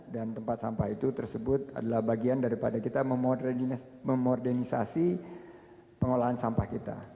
dan tempat sampah itu tersebut adalah bagian daripada kita memodernisasi pengelolaan sampah kita